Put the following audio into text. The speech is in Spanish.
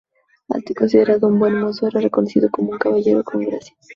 Alto y considerado buen mozo, era reconocido como un caballero con gracia.